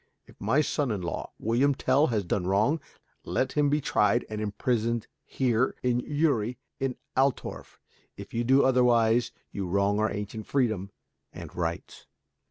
If my son in law, William Tell, has done wrong, let him be tried and imprisoned here, in Uri, in Altorf. If you do otherwise you wrong our ancient freedom and rights."